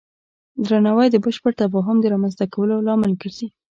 درناوی د بشپړ تفاهم د رامنځته کولو لامل ګرځي.